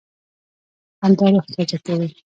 خندا روح تازه کوي.